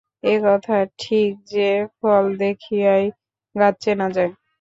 এ কথা ঠিক যে, ফল দেখিয়াই গাছ চেনা যায়।